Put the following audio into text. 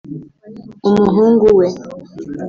umuhungu we